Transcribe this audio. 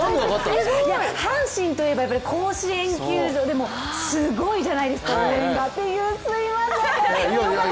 阪神といえば甲子園球場ですごいじゃないですか、応援がっていう、すいません、本当に。